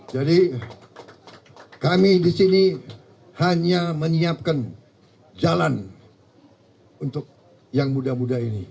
jadi kami di sini hanya menyiapkan jalan untuk yang muda muda ini